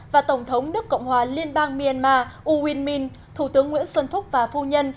và tổng thống nước cộng hòa liên bang myanmar u win min thủ tướng nguyễn xuân phúc và phu nhân